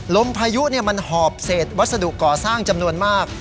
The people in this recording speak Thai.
พายุมันหอบเศษวัสดุก่อสร้างจำนวนมาก